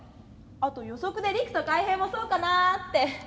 あと予測でリクとカイヘイもそうかなって。